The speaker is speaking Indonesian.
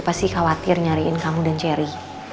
pasti khawatir nyariin kamu dan cherry